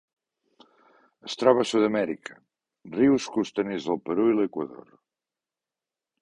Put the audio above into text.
Es troba a Sud-amèrica: rius costaners del Perú i l'Equador.